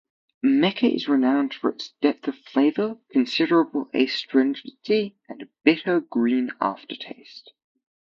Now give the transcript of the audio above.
Mecha is renowned for its depth of flavor, considerable astringency and bitter green aftertaste.